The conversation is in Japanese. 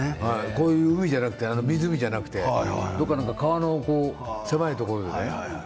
こういう湖じゃなくてどこか川の狭いところでね。